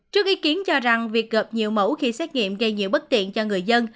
trước ý kiến cho rằng việc gợp nhiều mẫu khi xét nghiệm gây nhiều bất tiện cho người dân